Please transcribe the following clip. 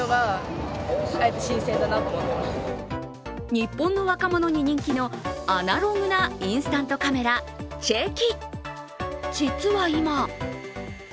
日本の若者に人気のアナログなインスタントカメラ、チェキ。